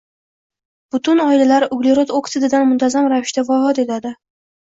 ✅ Butun oilalar uglerod oksididan muntazam ravishda vafot etadi